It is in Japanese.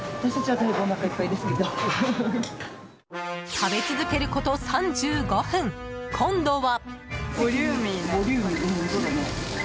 食べ続けること３５分今度は。